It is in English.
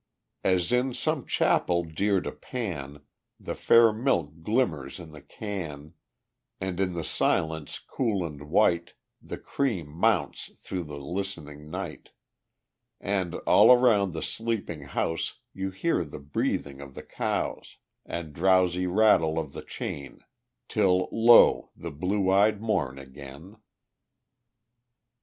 As in some chapel dear to Pan, The fair milk glimmers in the can, And, in the silence cool and white, The cream mounts through the listening night; And, all around the sleeping house, You hear the breathing of the cows, And drowsy rattle of the chain, Till lo! the blue eyed morn again_.